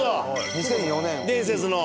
２００４年。